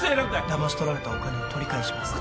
ダマし取られたお金を取り返します